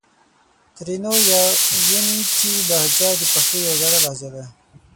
ترینو یا وڼېڅي لهجه د پښتو یو زړه لهجه ده